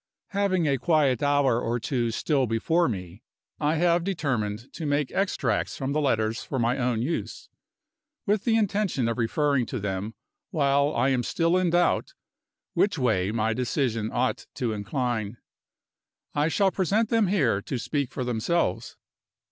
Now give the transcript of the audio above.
Having a quiet hour or two still before me, I have determined to make extracts from the letters for my own use; with the intention of referring to them while I am still in doubt which way my decision ought to incline. I shall present them here, to speak for themselves.